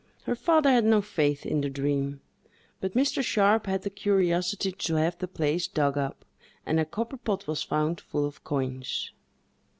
Her father had no faith in the dream; but Mr. Sharpe had the curiosity to have the place dug up, and a copper pot was found, full of coins.